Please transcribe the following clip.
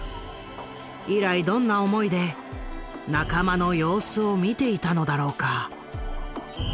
以来どんな思いで仲間の様子を見ていたのだろうか。